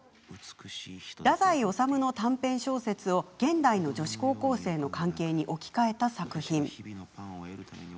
太宰治の短編小説を現代の女子高生の関係に置き換えた作品。